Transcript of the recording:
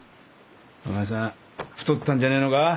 お前さん太ったんじゃねえのか？